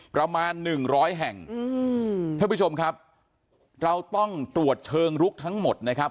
ประมาณ๑๐๐แห่งท่านผู้ชมครับเราต้องตรวจเชิงรุกทั้งหมดนะครับ